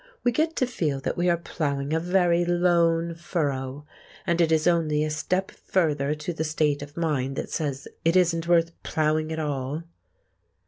We get to feel that we are ploughing a very lone furrow, and it is only a step further to the state of mind that says it isn't worth ploughing at all.